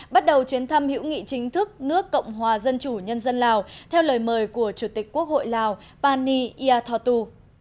bắt đầu chuyến thăm hữu nghị chính thức nước cộng hòa dân chủ nhân dân lào theo lời mời của chủ tịch quốc hội lào pani yathotu